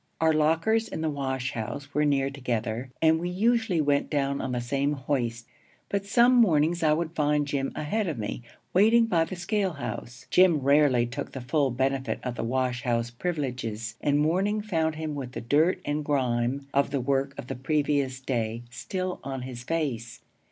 Our lockers in the wash house were near together, and we usually went down on the same hoist; but some mornings I would find Jim ahead of me, waiting by the scale house. Jim rarely took the full benefit of the wash house privileges, and morning found him with the dirt and grime of the work of the previous day still on his face.